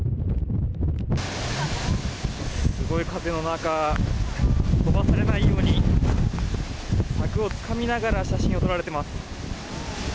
すごい風の中飛ばされないように柵をつかみながら写真を撮られています。